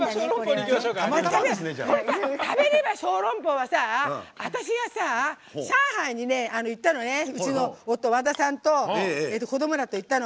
「食べれば小籠包」は私が上海に行ったのね、夫和田さんと、子どもらと行ったの。